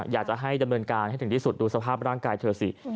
อยากจะให้ดำเนินการให้ถึงที่สุดดูสภาพร่างกายเธอสิ